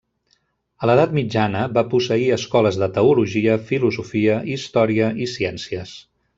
A l'edat mitjana va posseir escoles de teologia, filosofia, història i ciències.